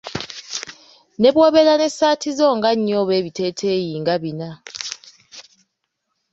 Ne bw'obeera n'essaati zo nga nnya oba ebiteeteeyi nga bina.